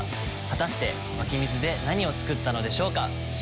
果たして湧き水で何を作ったのでしょうか？